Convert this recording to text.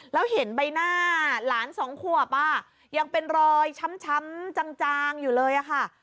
แล้วเห็นใบหน้าหลานสองขวบยังเป็นรอยช้ำจางอยู่เลยค่ะ